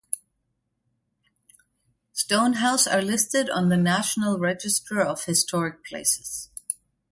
Stone House are listed on the National Register of Historic Places.